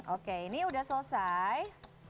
oke ini udah selesai